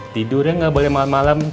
tidurnya gak boleh malem malem